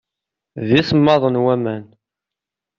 D isemmaḍen waman.